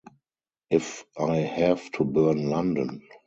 If I have to burn London.